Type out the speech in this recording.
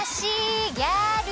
ギャル。